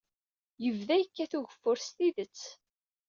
Yebda yekkat ugeffur s tidet.